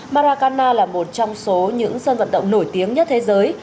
maracana là một trong số những sân vận động nổi tiếng nhất thế giới